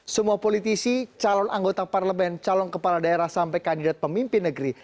semua politisi calon anggota parlemen calon kepala daerah sampai kandidat pemimpin negeri